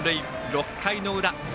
６回の裏。